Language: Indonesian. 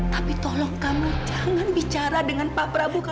tapi tolong kamu jangan bicara dengan pak prabowo